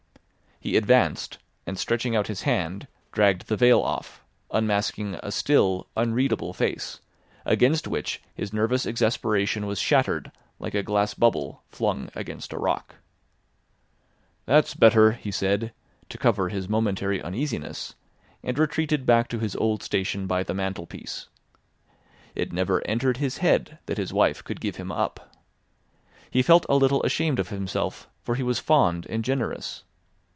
He advanced, and stretching out his hand, dragged the veil off, unmasking a still, unreadable face, against which his nervous exasperation was shattered like a glass bubble flung against a rock. "That's better," he said, to cover his momentary uneasiness, and retreated back to his old station by the mantelpiece. It never entered his head that his wife could give him up. He felt a little ashamed of himself, for he was fond and generous.